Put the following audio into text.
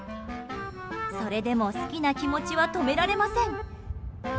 それでも好きな気持ちは止められません。